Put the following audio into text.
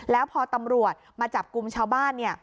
แล้วพอตำรวจมาจับกลุ่มชาวบ้าน